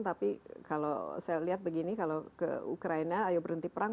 tapi kalau saya lihat begini kalau ke ukraina ayo berhenti perang